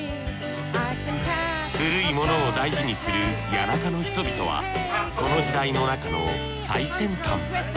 古いものを大事にする谷中の人々はこの時代のなかの最先端。